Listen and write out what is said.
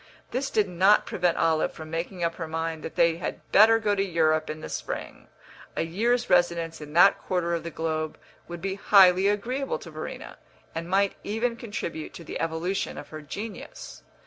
This did not prevent Olive from making up her mind that they had better go to Europe in the spring; a year's residence in that quarter of the globe would be highly agreeable to Verena, and might even contribute to the evolution of her genius.